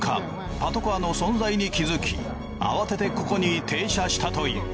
パトカーの存在に気付き慌ててここに停車したという。